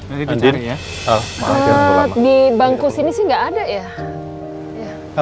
andien di bangku sini sih gak ada ya